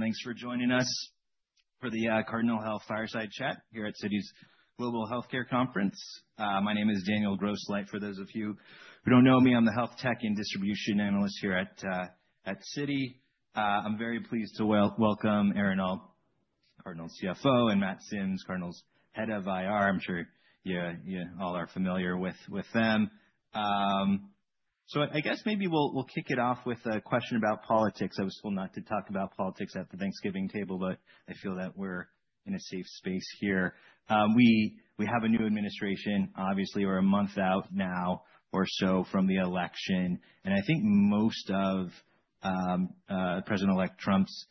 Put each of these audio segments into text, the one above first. Thanks for joining us for the Cardinal Health Fireside Chat here at Citi's Global Healthcare Conference. My name is Daniel Grosslight. For those of you who don't know me, I'm the Health Tech and Distribution Analyst here at Citi. I'm very pleased to welcome Aaron Alt, Cardinal CFO, and Matt Sims, Cardinal's Head of IR. I'm sure you all are familiar with them. I guess maybe we'll kick it off with a question about politics. I was told not to talk about politics at the Thanksgiving table, but I feel that we're in a safe space here. We have a new administration, obviously, we're a month out now or so from the election. I think most of President-elect Trump's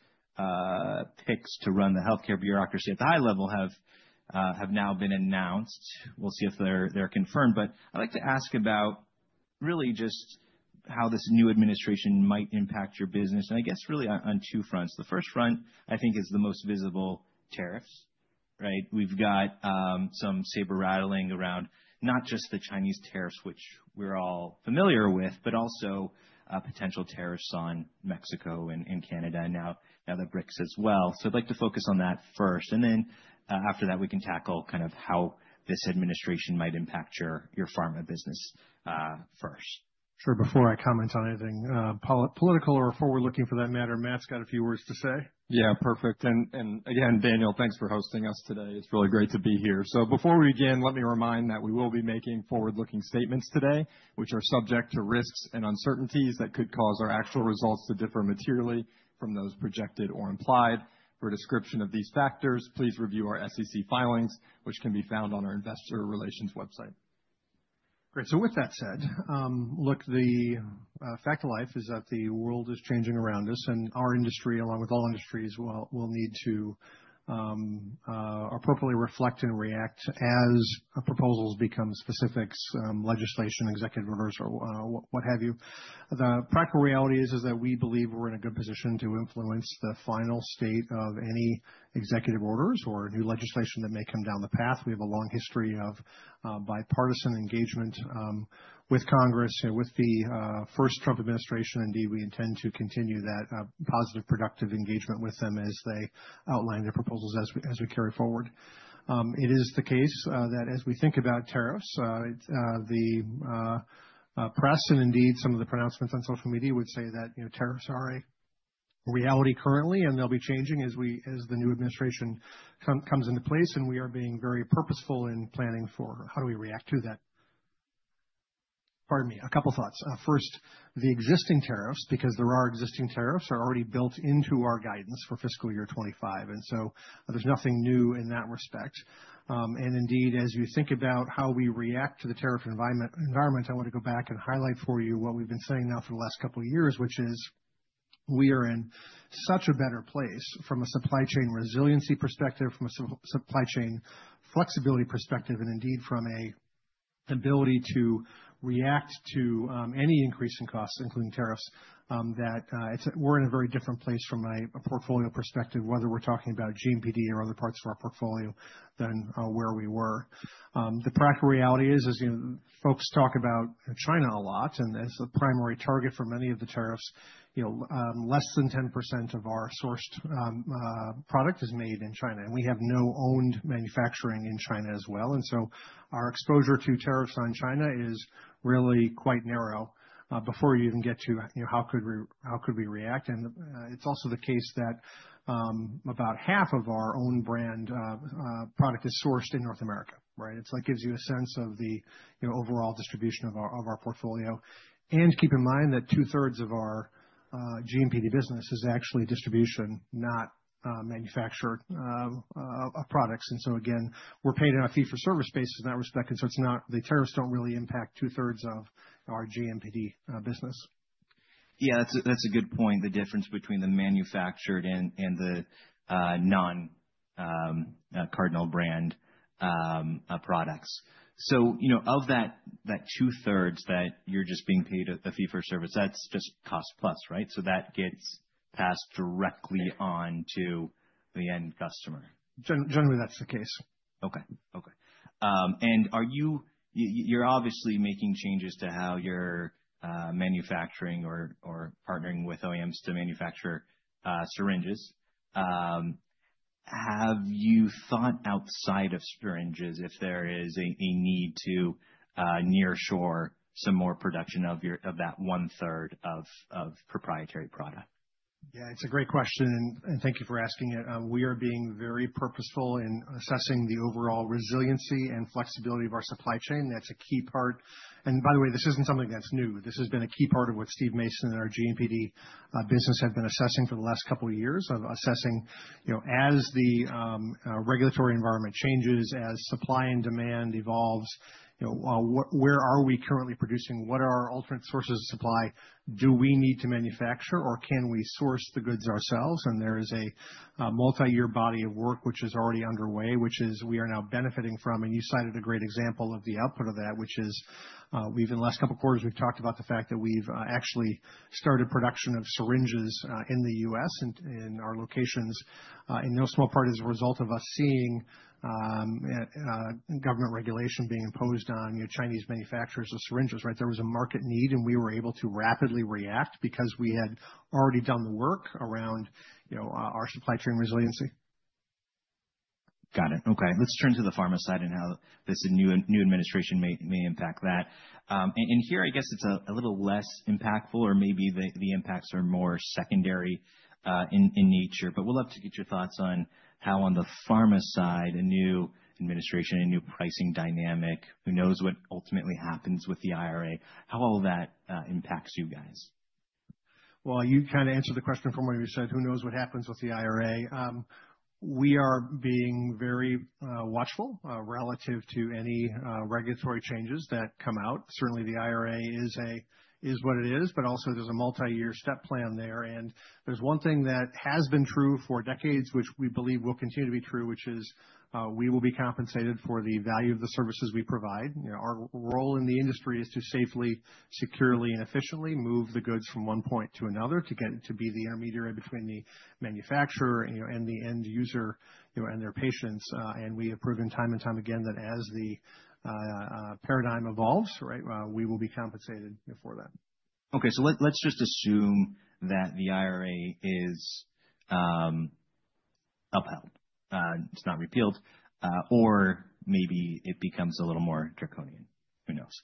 picks to run the healthcare bureaucracy at the high level have now been announced. We'll see if they're confirmed. But I'd like to ask about really just how this new administration might impact your business. And I guess really on two fronts. The first front, I think, is the most visible tariffs, right? We've got some saber rattling around not just the Chinese tariffs, which we're all familiar with, but also potential tariffs on Mexico and Canada now that BRICS as well. So I'd like to focus on that first. And then after that, we can tackle kind of how this administration might impact your pharma business first. Sure. Before I comment on anything political or forward-looking for that matter, Matt's got a few words to say. Yeah, perfect. And again, Daniel, thanks for hosting us today. It's really great to be here. So before we begin, let me remind that we will be making forward-looking statements today, which are subject to risks and uncertainties that could cause our actual results to differ materially from those projected or implied. For a description of these factors, please review our SEC filings, which can be found on our Investor Relations website. Great. With that said, look, the fact of life is that the world is changing around us. Our industry, along with all industries, will need to appropriately reflect and react as proposals become specifics, legislation, executive orders, or what have you. The practical reality is that we believe we're in a good position to influence the final state of any executive orders or new legislation that may come down the path. We have a long history of bipartisan engagement with Congress. With the first Trump administration, indeed, we intend to continue that positive, productive engagement with them as they outline their proposals as we carry forward. It is the case that as we think about tariffs, the press and indeed some of the pronouncements on social media would say that tariffs are a reality currently, and they'll be changing as the new administration comes into place. We are being very purposeful in planning for how do we react to that. Pardon me, a couple of thoughts. First, the existing tariffs, because there are existing tariffs, are already built into our guidance for fiscal year 2025. And so there's nothing new in that respect. And indeed, as you think about how we react to the tariff environment, I want to go back and highlight for you what we've been saying now for the last couple of years, which is we are in such a better place from a supply chain resiliency perspective, from a supply chain flexibility perspective, and indeed from an ability to react to any increase in costs, including tariffs, that we're in a very different place from a portfolio perspective, whether we're talking about GMPD or other parts of our portfolio than where we were. The practical reality is, as folks talk about China a lot, and as a primary target for many of the tariffs, less than 10% of our sourced product is made in China. And we have no owned manufacturing in China as well. And so our exposure to tariffs on China is really quite narrow before you even get to how could we react. And it's also the case that about half of our own brand product is sourced in North America, right? It gives you a sense of the overall distribution of our portfolio. And keep in mind that two-thirds of our GMPD business is actually distribution, not manufactured products. And so again, we're paid on a fee-for-service basis in that respect. And so it's not the tariffs don't really impact two-thirds of our GMPD business. Yeah, that's a good point, the difference between the manufactured and the non-Cardinal brand products. So of that two-thirds that you're just being paid a fee-for-service, that's just cost plus, right? So that gets passed directly on to the end customer. Generally, that's the case. Okay. Okay, and you're obviously making changes to how you're manufacturing or partnering with OEMs to manufacture syringes. Have you thought outside of syringes if there is a need to nearshore some more production of that one-third of proprietary product? Yeah, it's a great question. And thank you for asking it. We are being very purposeful in assessing the overall resiliency and flexibility of our supply chain. That's a key part. And by the way, this isn't something that's new. This has been a key part of what Steve Mason and our GMPD business have been assessing for the last couple of years as the regulatory environment changes, as supply and demand evolves, where are we currently producing? What are our alternate sources of supply? Do we need to manufacture, or can we source the goods ourselves? And there is a multi-year body of work which is already underway, which is we are now benefiting from. You cited a great example of the output of that, which is we've in the last couple of quarters, we've talked about the fact that we've actually started production of syringes in the U.S. and in our locations in no small part as a result of us seeing government regulation being imposed on Chinese manufacturers of syringes, right? There was a market need, and we were able to rapidly react because we had already done the work around our supply chain resiliency. Got it. Okay. Let's turn to the pharma side and how this new administration may impact that. And here, I guess it's a little less impactful, or maybe the impacts are more secondary in nature. But we'd love to get your thoughts on how on the pharma side, a new administration, a new pricing dynamic, who knows what ultimately happens with the IRA, how all that impacts you guys? You kind of answered the question from where you said, who knows what happens with the IRA. We are being very watchful relative to any regulatory changes that come out. Certainly, the IRA is what it is, but also there's a multi-year step plan there. There's one thing that has been true for decades, which we believe will continue to be true, which is we will be compensated for the value of the services we provide. Our role in the industry is to safely, securely, and efficiently move the goods from one point to another to get to be the intermediary between the manufacturer and the end user and their patients. We have proven time and time again that as the paradigm evolves, right, we will be compensated for that. Okay. So let's just assume that the IRA is upheld. It's not repealed, or maybe it becomes a little more draconian. Who knows?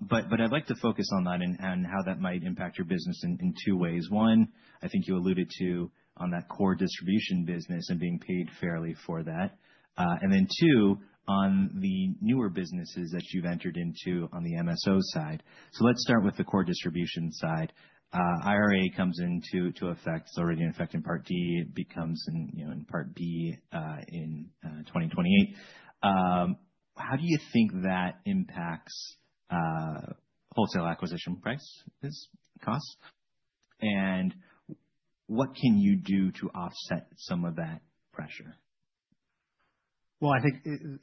But I'd like to focus on that and how that might impact your business in two ways. One, I think you alluded to on that core distribution business and being paid fairly for that. And then two, on the newer businesses that you've entered into on the MSO side. So let's start with the core distribution side. IRA comes into effect, it's already in effect in Part D, it becomes in Part B in 2028. How do you think that impacts wholesale acquisition prices, costs? And what can you do to offset some of that pressure? I think,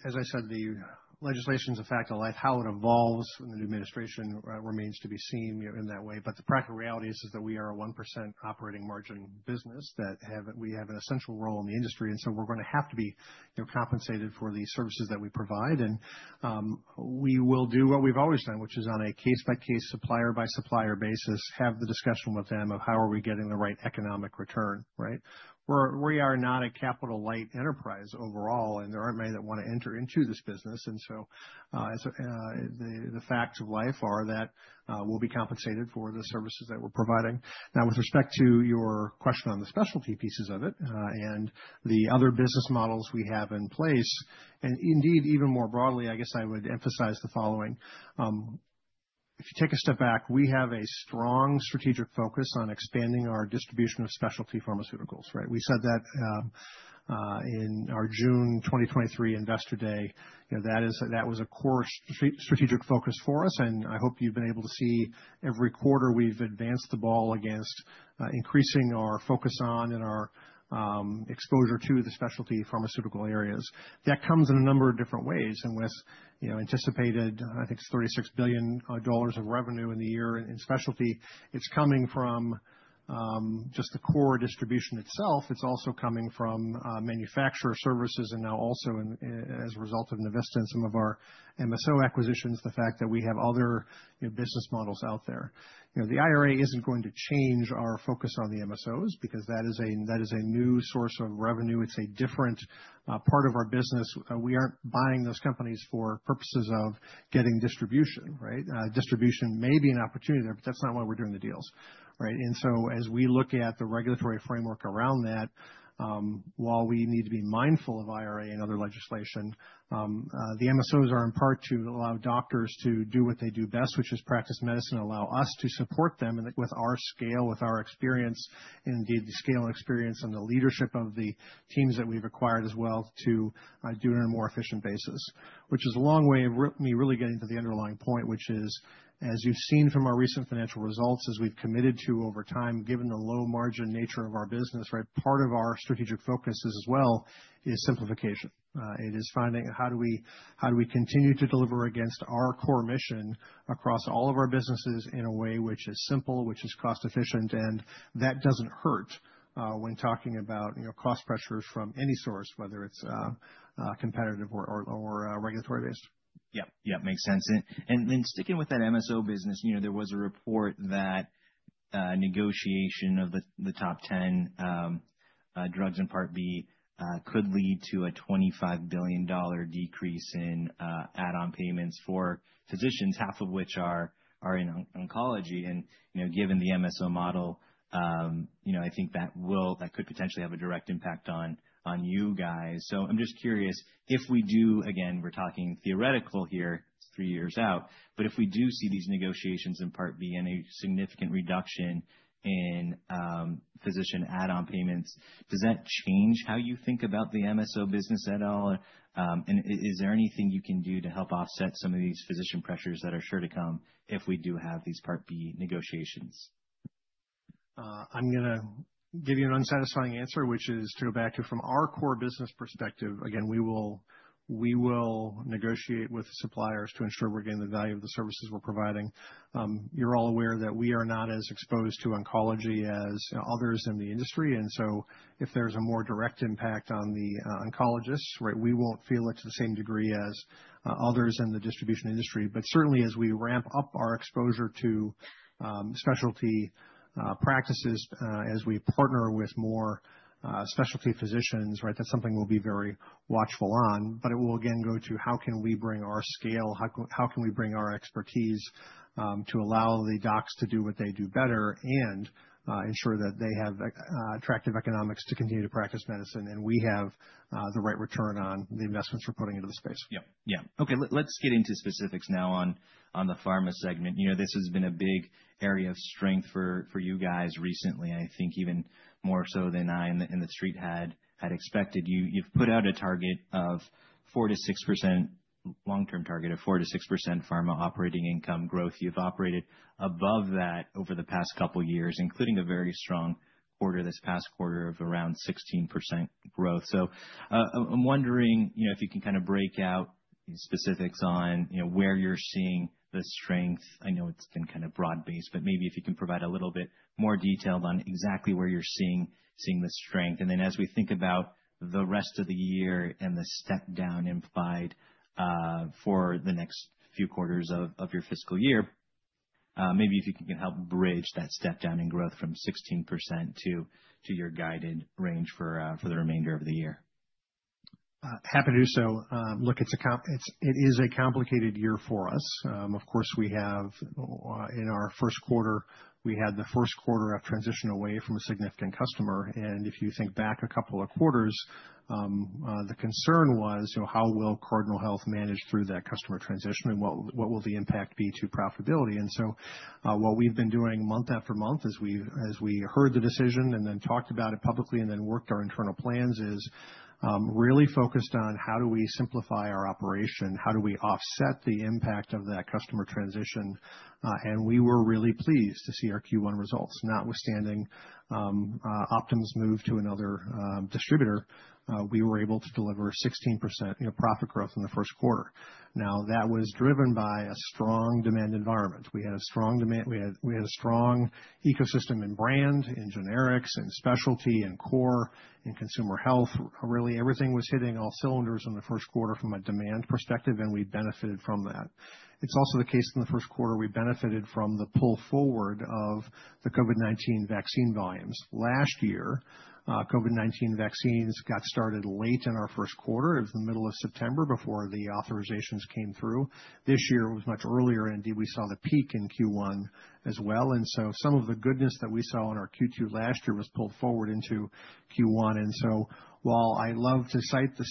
as I said, the legislation is a fact of life. How it evolves in the new administration remains to be seen in that way. But the practical reality is that we are a 1% operating margin business that we have an essential role in the industry. And so we're going to have to be compensated for the services that we provide. And we will do what we've always done, which is on a case-by-case, supplier-by-supplier basis, have the discussion with them of how are we getting the right economic return, right? We are not a capital-light enterprise overall, and there aren't many that want to enter into this business. And so the facts of life are that we'll be compensated for the services that we're providing. Now, with respect to your question on the specialty pieces of it and the other business models we have in place, and indeed, even more broadly, I guess I would emphasize the following. If you take a step back, we have a strong strategic focus on expanding our distribution of specialty pharmaceuticals, right? We said that in our June 2023 Investor Day. That was a core strategic focus for us. And I hope you've been able to see every quarter we've advanced the ball against increasing our focus on and our exposure to the specialty pharmaceutical areas. That comes in a number of different ways, and with anticipated, I think it's $36 billion of revenue in the year in specialty, it's coming from just the core distribution itself. It's also coming from manufacturer services and now also as a result of Navista and some of our MSO acquisitions, the fact that we have other business models out there. The IRA isn't going to change our focus on the MSOs because that is a new source of revenue. It's a different part of our business. We aren't buying those companies for purposes of getting distribution, right? Distribution may be an opportunity there, but that's not why we're doing the deals, right? And so as we look at the regulatory framework around that, while we need to be mindful of IRA and other legislation The MSOs are in part to allow doctors to do what they do best, which is practice medicine, allow us to support them with our scale, with our experience, and indeed the scale and experience and the leadership of the teams that we've acquired as well to do it on a more efficient basis, which is a long way of me really getting to the underlying point, which is, as you've seen from our recent financial results, as we've committed to over time, given the low-margin nature of our business, right? Part of our strategic focus as well is simplification. It is finding how do we continue to deliver against our core mission across all of our businesses in a way which is simple, which is cost-efficient, and that doesn't hurt when talking about cost pressures from any source, whether it's competitive or regulatory-based. Yep. Yep. Makes sense. And then sticking with that MSO business, there was a report that negotiation of the top 10 drugs in Part B could lead to a $25 billion decrease in add-on payments for physicians, half of which are in oncology. And given the MSO model, I think that could potentially have a direct impact on you guys. So I'm just curious, if we do, again, we're talking theoretical here, three years out, but if we do see these negotiations in Part B and a significant reduction in physician add-on payments, does that change how you think about the MSO business at all? And is there anything you can do to help offset some of these physician pressures that are sure to come if we do have these Part B negotiations? I'm going to give you an unsatisfying answer, which is to go back to from our core business perspective. Again, we will negotiate with suppliers to ensure we're getting the value of the services we're providing. You're all aware that we are not as exposed to oncology as others in the industry. And so if there's a more direct impact on the oncologists, right, we won't feel it to the same degree as others in the distribution industry. But certainly, as we ramp up our exposure to specialty practices, as we partner with more specialty physicians, right, that's something we'll be very watchful on. But it will, again, go to how can we bring our scale, how can we bring our expertise to allow the docs to do what they do better and ensure that they have attractive economics to continue to practice medicine and we have the right return on the investments we're putting into the space. Yep. Yeah. Okay. Let's get into specifics now on the pharma segment. This has been a big area of strength for you guys recently, I think even more so than I and the street had expected. You've put out a target of 4%-6%, long-term target of 4%-6% pharma operating income growth. You've operated above that over the past couple of years, including a very strong quarter this past quarter of around 16% growth. So I'm wondering if you can kind of break out specifics on where you're seeing the strength. I know it's been kind of broad-based, but maybe if you can provide a little bit more detailed on exactly where you're seeing the strength. And then as we think about the rest of the year and the step down implied for the next few quarters of your fiscal year, maybe if you can help bridge that step down in growth from 16% to your guided range for the remainder of the year? Happy to do so. It is a complicated year for us. Of course, in our first quarter, we had the first quarter of transition away from a significant customer. And if you think back a couple of quarters, the concern was how will Cardinal Health manage through that customer transition and what will the impact be to profitability? And so what we've been doing month after month as we heard the decision and then talked about it publicly and then worked our internal plans is really focused on how do we simplify our operation, how do we offset the impact of that customer transition. And we were really pleased to see our Q1 results. Notwithstanding Optum's move to another distributor, we were able to deliver 16% profit growth in the first quarter. Now, that was driven by a strong demand environment. We had a strong demand, we had a strong ecosystem and brand and generics and specialty and core and consumer health. Really, everything was hitting all cylinders in the first quarter from a demand perspective, and we benefited from that. It's also the case in the first quarter we benefited from the pull forward of the COVID-19 vaccine volumes. Last year, COVID-19 vaccines got started late in our first quarter. It was the middle of September before the authorizations came through. This year, it was much earlier, and indeed we saw the peak in Q1 as well. And so some of the goodness that we saw in our Q2 last year was pulled forward into Q1. And so, while I love to cite the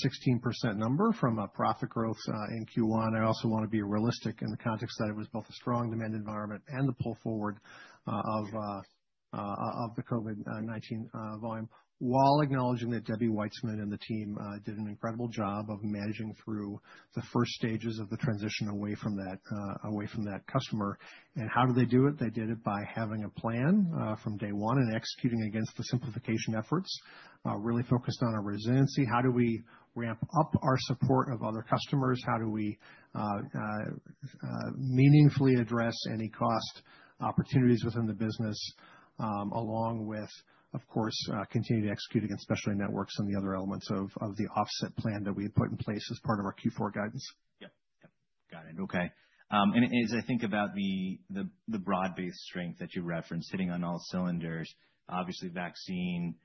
16% number from a profit growth in Q1, I also want to be realistic in the context that it was both a strong demand environment and the pull forward of the COVID-19 volume. While acknowledging that Debbie Weitzman and the team did an incredible job of managing through the first stages of the transition away from that customer. And how did they do it? They did it by having a plan from day one and executing against the simplification efforts, really focused on our resiliency. How do we ramp up our support of other customers? How do we meaningfully address any cost opportunities within the business, along with, of course, continue to execute against Specialty Networks and the other elements of the offset plan that we had put in place as part of our Q4 guidance? Yep. Yep. Got it. Okay. And as I think about the broad-based strength that you referenced, hitting on all cylinders, obviously vaccine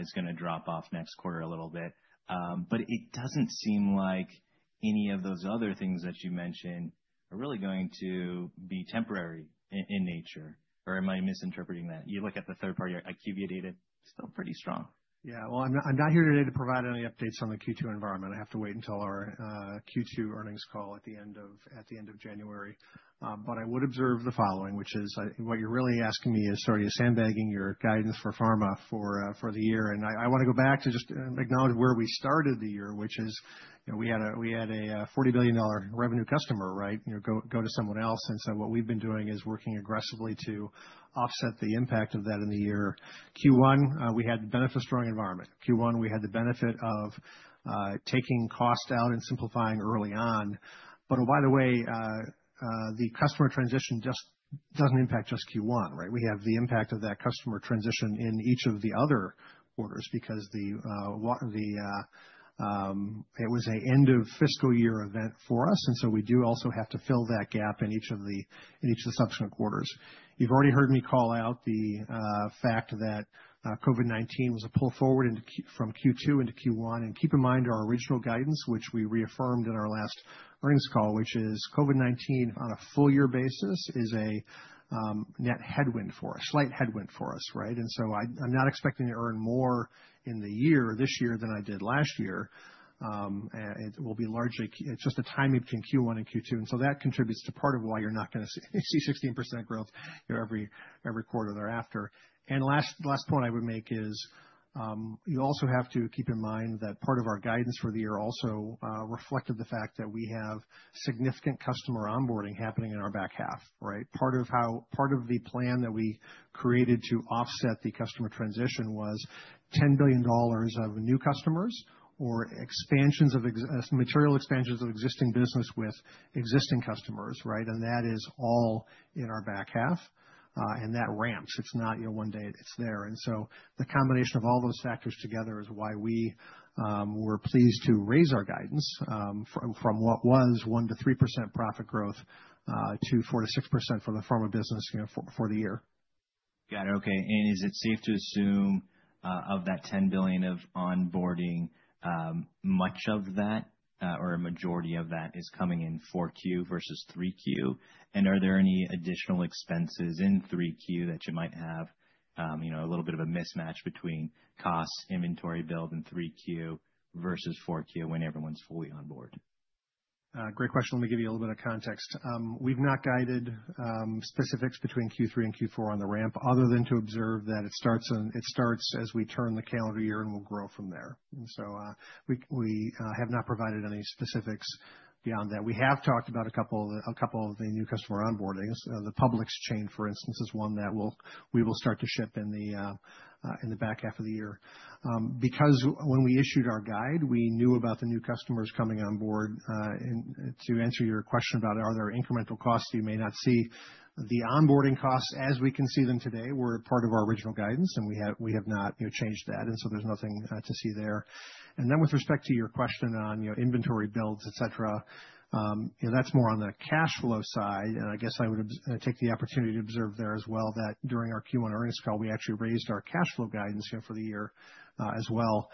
is going to drop off next quarter a little bit. But it doesn't seem like any of those other things that you mentioned are really going to be temporary in nature. Or am I misinterpreting that? You look at the third-party IQVIA data, still pretty strong. Yeah. Well, I'm not here today to provide any updates on the Q2 environment. I have to wait until our Q2 earnings call at the end of January. But I would observe the following, which is what you're really asking me is sort of you're sandbagging your guidance for pharma for the year. And I want to go back to just acknowledge where we started the year, which is we had a $40 billion revenue customer, right? Go to someone else. And so what we've been doing is working aggressively to offset the impact of that in the year. Q1, we had the benefit of strong environment. Q1, we had the benefit of taking cost out and simplifying early on. But by the way, the customer transition just doesn't impact just Q1, right? We have the impact of that customer transition in each of the other quarters because it was an end-of-fiscal-year event for us. And so we do also have to fill that gap in each of the subsequent quarters. You've already heard me call out the fact that COVID-19 was a pull forward from Q2 into Q1. And keep in mind our original guidance, which we reaffirmed in our last earnings call, which is COVID-19 on a full-year basis is a net headwind for us, slight headwind for us, right? And so I'm not expecting to earn more in the year this year than I did last year. It will be largely just a time between Q1 and Q2. And so that contributes to part of why you're not going to see 16% growth every quarter thereafter. And last point I would make is you also have to keep in mind that part of our guidance for the year also reflected the fact that we have significant customer onboarding happening in our back half, right? Part of the plan that we created to offset the customer transition was $10 billion of new customers or material expansions of existing business with existing customers, right? And that is all in our back half. And that ramps. It's not one day it's there. And so the combination of all those factors together is why we were pleased to raise our guidance from what was 1%-3% profit growth to 4%-6% for the pharma business for the year. Got it. Okay. And is it safe to assume of that $10 billion of onboarding, much of that or a majority of that is coming in 4Q versus 3Q? And are there any additional expenses in 3Q that you might have a little bit of a mismatch between costs, inventory build in 3Q versus 4Q when everyone's fully on board? Great question. Let me give you a little bit of context. We've not guided specifics between Q3 and Q4 on the ramp other than to observe that it starts as we turn the calendar year and we'll grow from there, and so we have not provided any specifics beyond that. We have talked about a couple of the new customer onboardings. The Publix chain, for instance, is one that we will start to ship in the back half of the year. Because when we issued our guide, we knew about the new customers coming on board. To answer your question about are there incremental costs that you may not see, the onboarding costs, as we can see them today, were part of our original guidance, and we have not changed that, and so there's nothing to see there. And then with respect to your question on inventory builds, etc., that's more on the cash flow side. And I guess I would take the opportunity to observe there as well that during our Q1 earnings call, we actually raised our cash flow guidance for the year as well.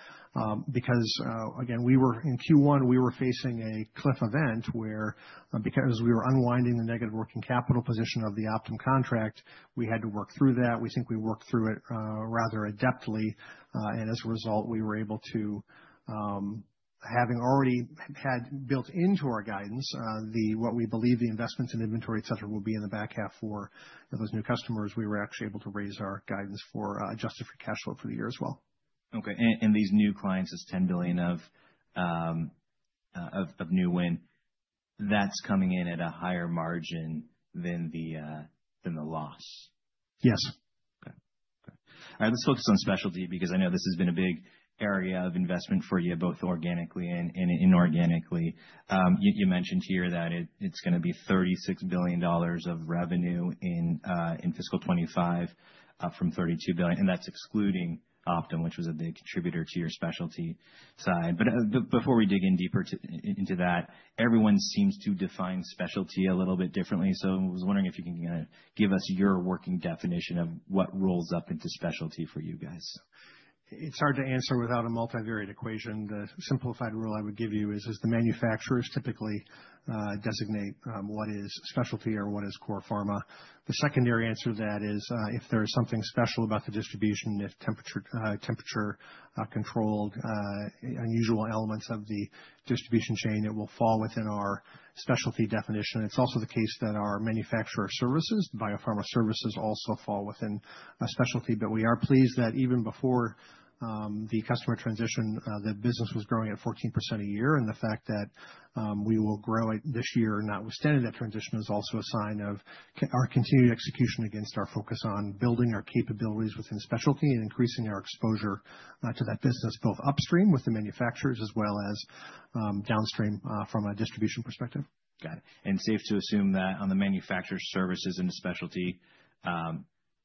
Because, again, in Q1, we were facing a cliff event where because we were unwinding the negative working capital position of the Optum contract, we had to work through that. We think we worked through it rather adeptly. And as a result, we were able to, having already had built into our guidance what we believe the investments and inventory, etc., will be in the back half for those new customers, we were actually able to raise our guidance for adjusted for cash flow for the year as well. Okay. And these new clients is $10 billion of new win that's coming in at a higher margin than the loss. Yes. Okay. Okay. All right. Let's focus on specialty because I know this has been a big area of investment for you, both organically and inorganically. You mentioned here that it's going to be $36 billion of revenue in fiscal 2025 from $32 billion. And that's excluding Optum, which was a big contributor to your specialty side. But before we dig in deeper into that, everyone seems to define specialty a little bit differently. So I was wondering if you can give us your working definition of what rolls up into specialty for you guys. It's hard to answer without a multivariate equation. The simplified rule I would give you is the manufacturers typically designate what is specialty or what is core pharma. The secondary answer to that is if there is something special about the distribution, if temperature-controlled unusual elements of the distribution chain, it will fall within our specialty definition. It's also the case that our manufacturer services, the biopharma services, also fall within specialty. But we are pleased that even before the customer transition, the business was growing at 14% a year. And the fact that we will grow it this year, notwithstanding that transition, is also a sign of our continued execution against our focus on building our capabilities within specialty and increasing our exposure to that business, both upstream with the manufacturers as well as downstream from a distribution perspective. Got it. And safe to assume that on the manufacturer services and specialty,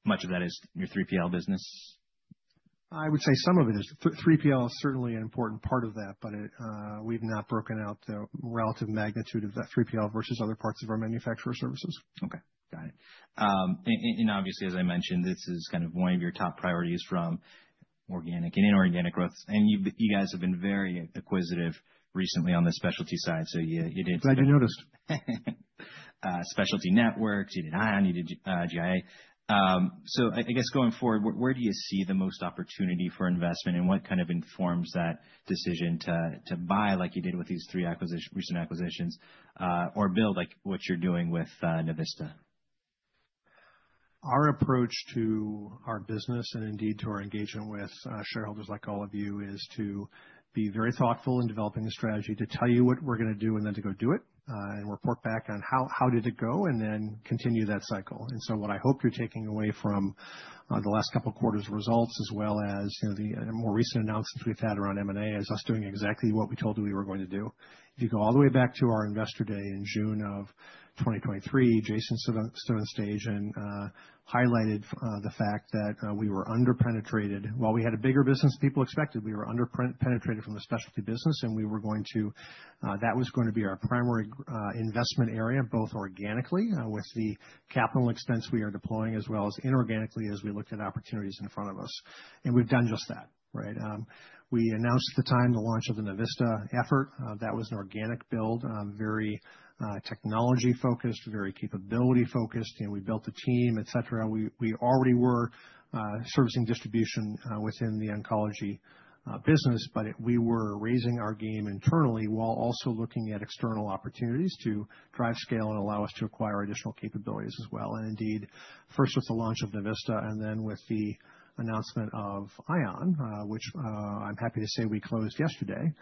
much of that is your 3PL business? I would say some of it is. 3PL is certainly an important part of that, but we've not broken out the relative magnitude of that 3PL versus other parts of our manufacturer services. Okay. Got it. And obviously, as I mentioned, this is kind of one of your top priorities from organic and inorganic growth. And you guys have been very acquisitive recently on the specialty side. So you did. Glad you noticed. Specialty Networks. You did ION. You did GIA. So I guess going forward, where do you see the most opportunity for investment and what kind of informs that decision to buy like you did with these three recent acquisitions or build like what you're doing with Navista? Our approach to our business and indeed to our engagement with shareholders like all of you is to be very thoughtful in developing a strategy to tell you what we're going to do and then to go do it and report back on how did it go and then continue that cycle. And so what I hope you're taking away from the last couple of quarters' results as well as the more recent announcements we've had around M&A is us doing exactly what we told you we were going to do. If you go all the way back to our investor day in June of 2023, Jason stood on stage and highlighted the fact that we were underpenetrated. While we had a bigger business than people expected, we were underpenetrated in the specialty business and that was going to be our primary investment area, both organically with the capital expense we are deploying as well as inorganically as we looked at opportunities in front of us. We've done just that, right? We announced at the time the launch of the Navista effort. That was an organic build, very technology-focused, very capability-focused. We built a team, etc. We already were servicing distribution within the oncology business, but we were raising our game internally while also looking at external opportunities to drive scale and allow us to acquire additional capabilities as well. And indeed, first with the launch of Navista and then with the announcement of ION, which I'm happy to say we closed yesterday,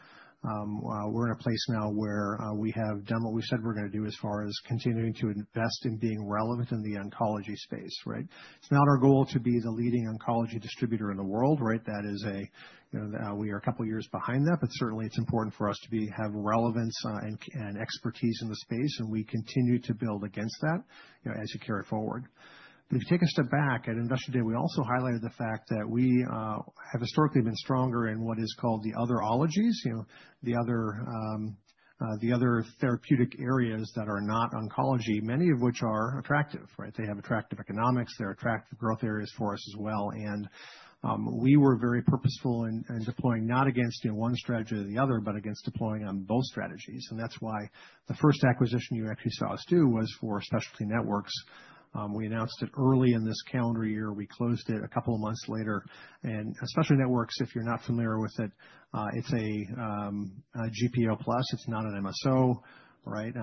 we're in a place now where we have done what we said we're going to do as far as continuing to invest in being relevant in the oncology space, right? It's not our goal to be the leading oncology distributor in the world, right? That is a we are a couple of years behind that, but certainly it's important for us to have relevance and expertise in the space. And we continue to build against that as you carry forward. But if you take a step back, at investor day, we also highlighted the fact that we have historically been stronger in what is called the otherology, the other therapeutic areas that are not oncology, many of which are attractive, right? They have attractive economics. They're attractive growth areas for us as well. And we were very purposeful in deploying not against one strategy or the other, but against deploying on both strategies. And that's why the first acquisition you actually saw us do was for Specialty Networks. We announced it early in this calendar year. We closed it a couple of months later. And Specialty Networks, if you're not familiar with it, it's a GPO Plus. It's not an MSO, right?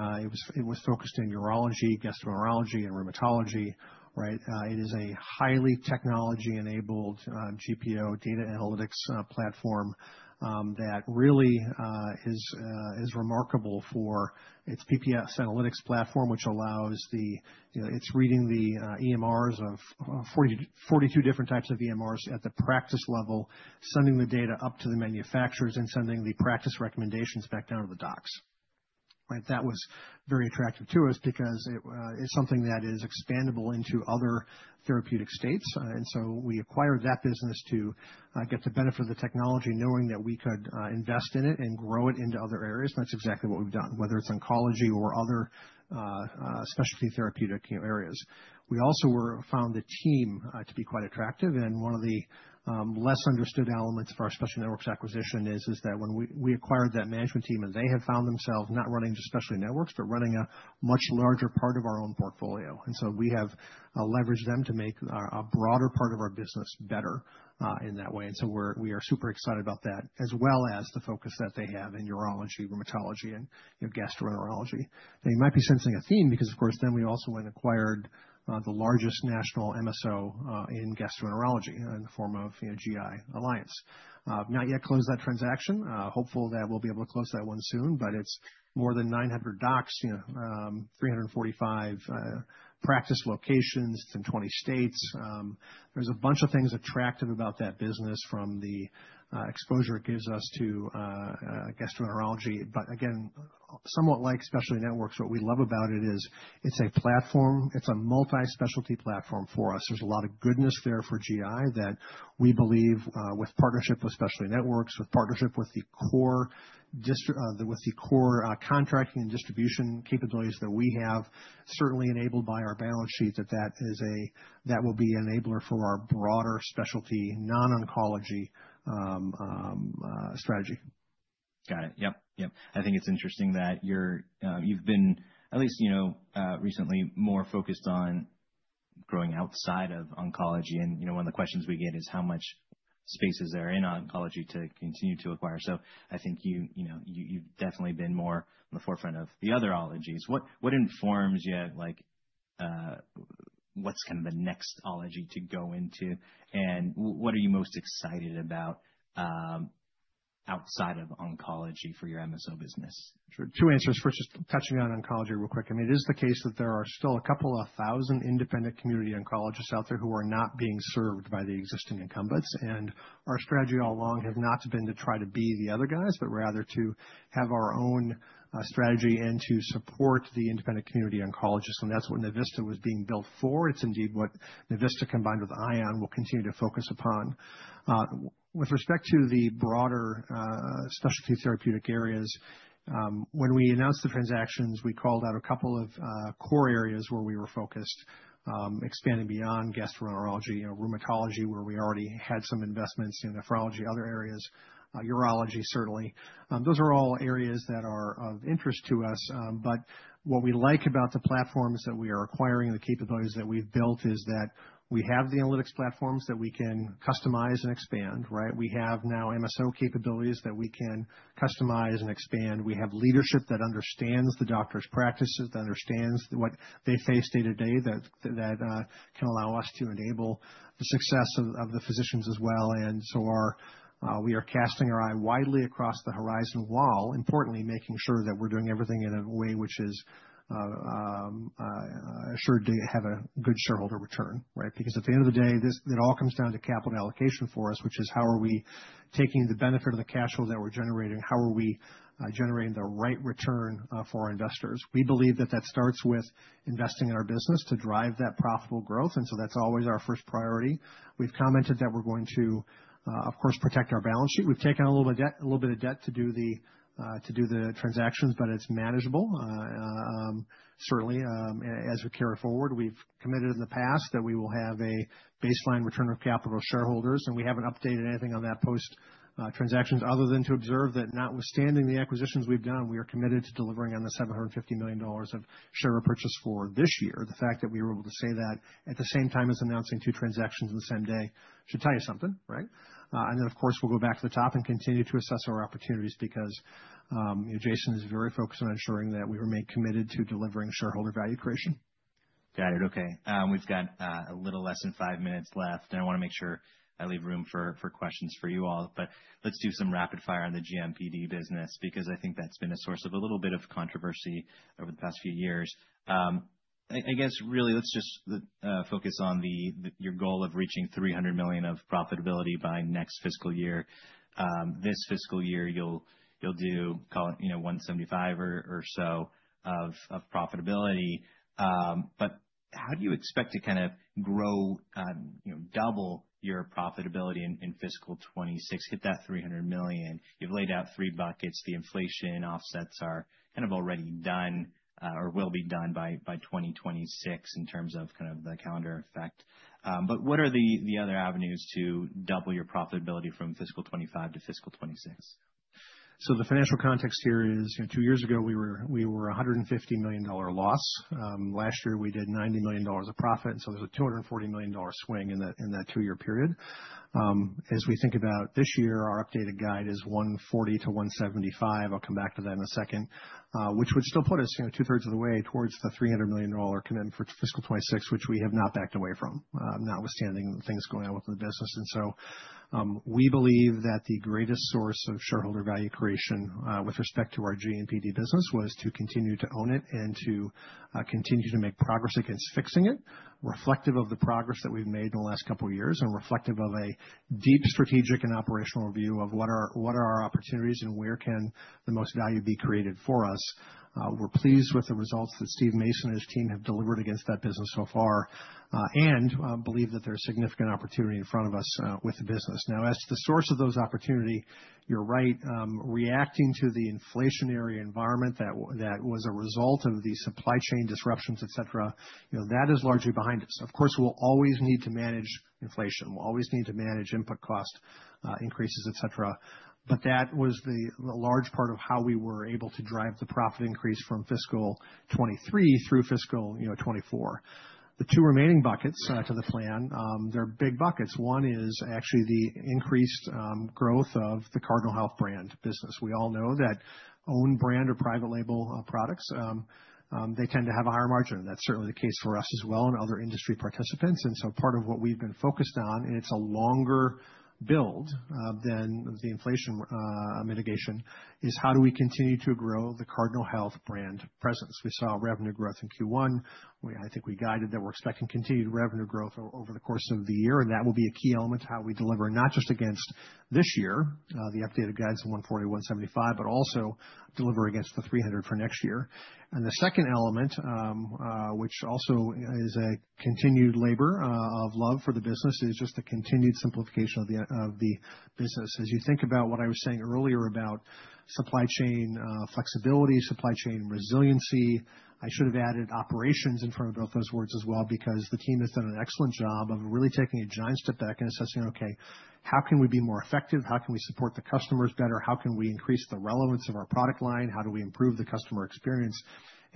It was focused in urology, gastroenterology, and rheumatology, right? It is a highly technology-enabled GPO data analytics platform that really is remarkable for its PPS Analytics platform, which allows it. It's reading the EMRs of 42 different types of EMRs at the practice level, sending the data up to the manufacturers and sending the practice recommendations back down to the docs. That was very attractive to us because it's something that is expandable into other therapeutic states. And so we acquired that business to get the benefit of the technology, knowing that we could invest in it and grow it into other areas. And that's exactly what we've done, whether it's oncology or other specialty therapeutic areas. We also found the team to be quite attractive. And one of the less understood elements of our Specialty Networks acquisition is that when we acquired that management team and they have found themselves not running just Specialty Networks, but running a much larger part of our own portfolio. And so we have leveraged them to make a broader part of our business better in that way. And so we are super excited about that, as well as the focus that they have in urology, rheumatology, and gastroenterology. Now, you might be sensing a theme because, of course, then we also went and acquired the largest national MSO in gastroenterology in the form of GI Alliance. Not yet closed that transaction. Hopeful that we'll be able to close that one soon, but it's more than 900 docs, 345 practice locations in 20 states. There's a bunch of things attractive about that business from the exposure it gives us to gastroenterology. But again, somewhat like Specialty Networks, what we love about it is it's a platform. It's a multi-specialty platform for us. There's a lot of goodness there for GI that we believe with partnership with Specialty Networks, with partnership with the core contracting and distribution capabilities that we have, certainly enabled by our balance sheet, that that will be an enabler for our broader specialty non-oncology strategy. Got it. Yep. Yep. I think it's interesting that you've been at least recently more focused on growing outside of oncology. And one of the questions we get is how much space is there in oncology to continue to acquire. So I think you've definitely been more on the forefront of the otherologies. What informs you? What's kind of the nextology to go into? And what are you most excited about outside of oncology for your MSO business? Two answers. First, just touching on oncology real quick. I mean, it is the case that there are still a couple of thousand independent community oncologists out there who are not being served by the existing incumbents, and our strategy all along has not been to try to be the other guys, but rather to have our own strategy and to support the independent community oncologists, and that's what Navista was being built for. It's indeed what Navista combined with ION will continue to focus upon. With respect to the broader specialty therapeutic areas, when we announced the transactions, we called out a couple of core areas where we were focused, expanding beyond gastroenterology, rheumatology, where we already had some investments, nephrology, other areas, urology, certainly. Those are all areas that are of interest to us. But what we like about the platforms that we are acquiring and the capabilities that we've built is that we have the analytics platforms that we can customize and expand, right? We have now MSO capabilities that we can customize and expand. We have leadership that understands the doctor's practices, that understands what they face day-to-day that can allow us to enable the success of the physicians as well. And so we are casting our eye widely across the horizon while, importantly, making sure that we're doing everything in a way which is assured to have a good shareholder return, right? Because at the end of the day, it all comes down to capital allocation for us, which is how are we taking the benefit of the cash flow that we're generating? How are we generating the right return for our investors? We believe that that starts with investing in our business to drive that profitable growth, and so that's always our first priority. We've commented that we're going to, of course, protect our balance sheet. We've taken a little bit of debt to do the transactions, but it's manageable, certainly, as we carry forward. We've committed in the past that we will have a baseline return of capital shareholders And we haven't updated anything on that post-transactions other than to observe that, notwithstanding the acquisitions we've done, we are committed to delivering on the $750 million of share purchase for this year. The fact that we were able to say that at the same time as announcing two transactions in the same day should tell you something, right? And then, of course, we'll go back to the top and continue to assess our opportunities because Jason is very focused on ensuring that we remain committed to delivering shareholder value creation. Got it. Okay. We've got a little less than five minutes left. And I want to make sure I leave room for questions for you all. But let's do some rapid fire on the GMPD business because I think that's been a source of a little bit of controversy over the past few years. I guess really, let's just focus on your goal of reaching $300 million of profitability by next fiscal year. This fiscal year, you'll do $175 million or so of profitability. But how do you expect to kind of grow, double your profitability in fiscal 2026? Hit that $300 million. You've laid out three buckets. The inflation offsets are kind of already done or will be done by 2026 in terms of kind of the calendar effect. But what are the other avenues to double your profitability from fiscal 2025 to fiscal 2026? So the financial context here is two years ago, we were a $150 million loss. Last year, we did $90 million of profit. And so there's a $240 million swing in that two-year period. As we think about this year, our updated guide is $140 million-$175 million. I'll come back to that in a second, which would still put us two-thirds of the way towards the $300 million commitment for fiscal 2026, which we have not backed away from, notwithstanding the things going on with the business. And so we believe that the greatest source of shareholder value creation with respect to our GMPD business was to continue to own it and to continue to make progress against fixing it, reflective of the progress that we've made in the last couple of years and reflective of a deep strategic and operational view of what are our opportunities and where can the most value be created for us. We're pleased with the results that Steve Mason and his team have delivered against that business so far and believe that there's significant opportunity in front of us with the business. Now, as the source of those opportunity, you're right, reacting to the inflationary environment that was a result of the supply chain disruptions, etc., that is largely behind us. Of course, we'll always need to manage inflation. We'll always need to manage input cost increases, etc. But that was the large part of how we were able to drive the profit increase from fiscal 2023 through fiscal 2024. The two remaining buckets to the plan, they're big buckets. One is actually the increased growth of the Cardinal Health brand business. We all know that own brand or private label products, they tend to have a higher margin. And that's certainly the case for us as well and other industry participants. And so part of what we've been focused on, and it's a longer build than the inflation mitigation, is how do we continue to grow the Cardinal Health brand presence? We saw revenue growth in Q1. I think we guided that we're expecting continued revenue growth over the course of the year. And that will be a key element to how we deliver, not just against this year, the updated guides to 140-175, but also deliver against the 300 for next year. And the second element, which also is a continued labor of love for the business, is just the continued simplification of the business. As you think about what I was saying earlier about supply chain flexibility, supply chain resiliency, I should have added operations in front of both those words as well because the team has done an excellent job of really taking a giant step back and assessing, okay How can we be more effective? How can we support the customers better? How can we increase the relevance of our product line? How do we improve the customer experience?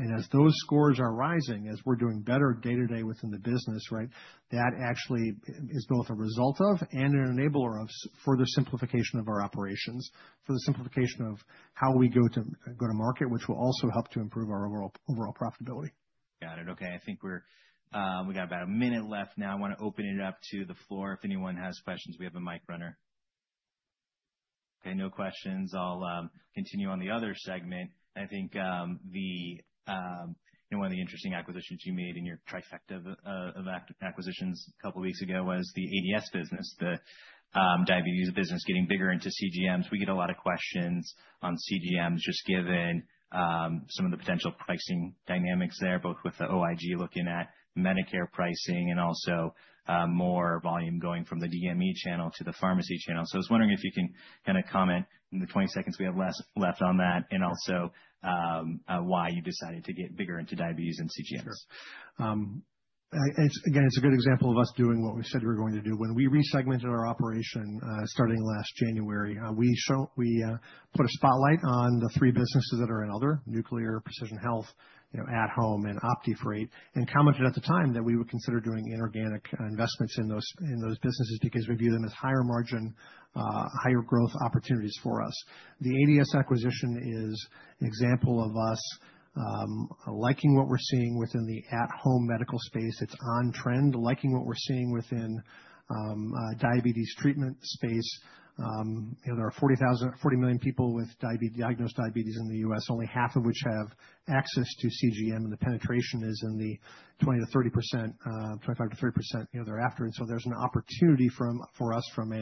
As those scores are rising, as we're doing better day-to-day within the business, right, that actually is both a result of and an enabler of further simplification of our operations, further simplification of how we go to market, which will also help to improve our overall profitability. Got it. Okay. I think we've got about a minute left now. I want to open it up to the floor. If anyone has questions, we have a mic runner. Okay. No questions. I'll continue on the other segment. I think one of the interesting acquisitions you made in your trifecta of acquisitions a couple of weeks ago was the ADS business, the diabetes business getting bigger into CGMs. We get a lot of questions on CGMs just given some of the potential pricing dynamics there, both with the OIG looking at Medicare pricing and also more volume going from the DME channel to the pharmacy channel. So I was wondering if you can kind of comment in the 20 seconds we have left on that and also why you decided to get bigger into diabetes and CGMs. Sure. Again, it's a good example of us doing what we said we were going to do. When we resegmented our operation starting last January, we put a spotlight on the three businesses that are in other Nuclear Precision Health, At-Home, and OptiFreight, and commented at the time that we would consider doing inorganic investments in those businesses because we view them as higher margin, higher growth opportunities for us. The ADS acquisition is an example of us liking what we're seeing within the at-home medical space. It's on trend, liking what we're seeing within the diabetes treatment space. There are 40 million people with diagnosed diabetes in the U.S., only half of which have access to CGM, and the penetration is in the 20%-30%, 25%-30% thereafter. And so there's an opportunity for us from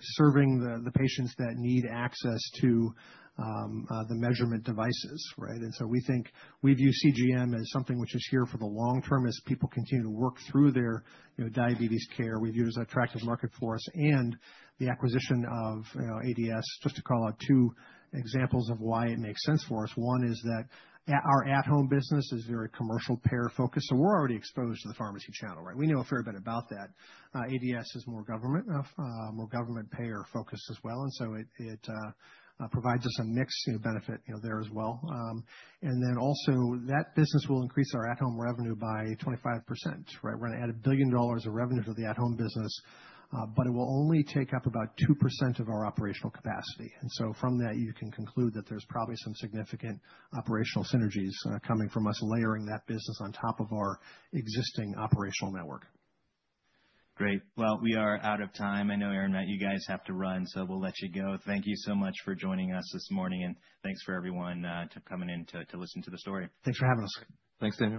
serving the patients that need access to the measurement devices, right? And so we think we view CGM as something which is here for the long term as people continue to work through their diabetes care. We view it as an attractive market for us. And the acquisition of ADS, just to call out two examples of why it makes sense for us. One is that our at-home business is very commercial payer focused. So we're already exposed to the pharmacy channel, right? We know a fair bit about that. ADS is more government payer focused as well. And so it provides us a mixed benefit there as well. And then also that business will increase our at-home revenue by 25%, right? We're going to add $1 billion of revenue to the at-home business, but it will only take up about 2% of our operational capacity. And so from that, you can conclude that there's probably some significant operational synergies coming from us layering that business on top of our existing operational network. Great. Well, we are out of time. I know, Aaron, that you guys have to run, so we'll let you go. Thank you so much for joining us this morning, and thanks for everyone coming in to listen to the story. Thanks for having us. Thanks to you.